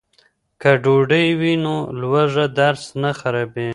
که ډوډۍ وي نو لوږه درس نه خرابوي.